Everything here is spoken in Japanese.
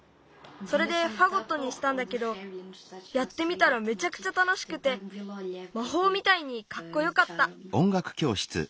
それでファゴットにしたんだけどやってみたらめちゃくちゃたのしくてまほうみたいにかっこよかった。